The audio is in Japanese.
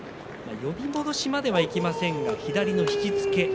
呼び戻しまではいきませんが左の引き付け。